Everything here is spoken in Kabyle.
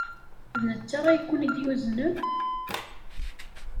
D netta ay ken-id-yuznen?